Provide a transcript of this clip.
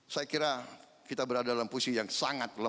saya kira kita berada dalam posisi yang sangat lemah